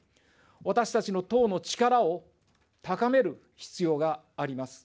私たちの党の力を高める必要があります。